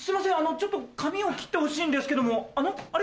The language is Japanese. ちょっと髪を切ってほしいんですけどもあれ？